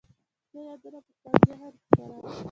څو یادونه په خپل ذهن کې کرم